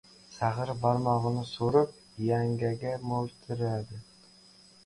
Sag‘ir barmog‘ini so‘rib, yangaga mo‘ltiradi.